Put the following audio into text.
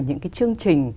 những cái chương trình